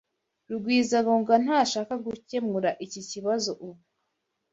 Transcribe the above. Rugwizangoga ntashaka gukemura iki kibazo ubu.